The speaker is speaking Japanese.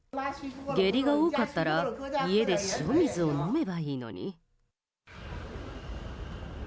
下痢が多かったら、家で塩水を飲めばいいのに。